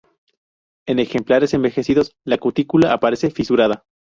En ejemplares envejecidos, la cutícula aparece fisurada.